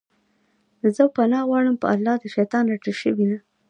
زه پناه غواړم په الله د شيطان رټلي شوي نه